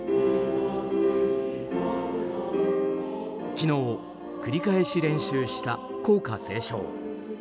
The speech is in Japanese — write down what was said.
昨日繰り返し練習した校歌斉唱。